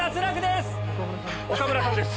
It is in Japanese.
岡村さんです。